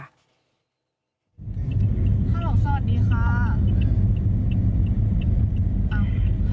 ฮัลสวัสดีค่ะ